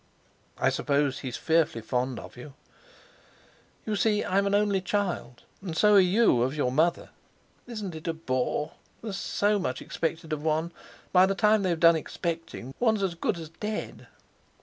"I suppose he's fearfully fond of you." "You see, I'm an only child. And so are you—of your mother. Isn't it a bore? There's so much expected of one. By the time they've done expecting, one's as good as dead."